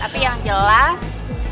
tapi yang jelas